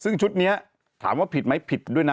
ตัวชุดนี้ถามว่าผิดมั้ยผิดด้วยนะ